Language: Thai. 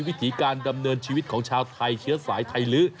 วิถีการดำเนินชีวิตของชาวไทยเชื้อสายไทยลื้อ